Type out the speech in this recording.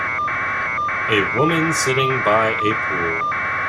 A woman sitting by a pool.